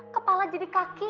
kepala jadi kaki